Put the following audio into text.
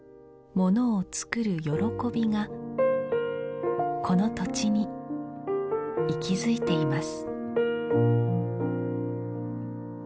ものをつくる喜びがこの土地に息づいています